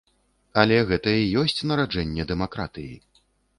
Але гэта і ёсць нараджэнне дэмакратыі.